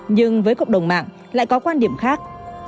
nhưng với cộng đồng mạng lại có quan điểm khác